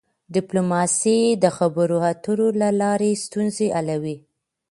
ډيپلوماسي د خبرو اترو له لاري ستونزي حلوي.